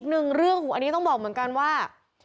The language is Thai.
หนึ่งเรื่องอันนี้ต้องบอกเหมือนกันว่า